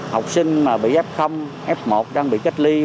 học sinh mà bị f f một đang bị cách ly